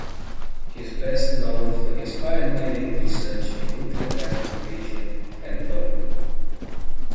He is best known for his pioneering research in nuclear transplantation and cloning.